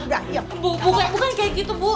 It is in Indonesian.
bu bukan kayak gitu bu